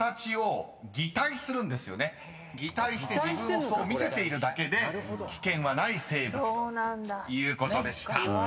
［擬態して自分をそう見せているだけで危険はない生物ということでした］